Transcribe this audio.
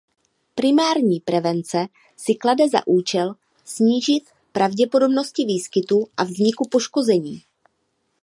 Primární prevence si klade za účel snížit pravděpodobnosti výskytu a vzniku poškození.